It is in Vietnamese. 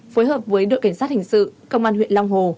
phối hợp với đội cảnh sát hình sự công an huyện long hồ